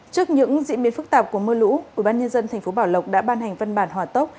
trước những diễn biến phức tạp của mưa lũ ubnd tp bảo lộc đã ban hành văn bản hòa tốc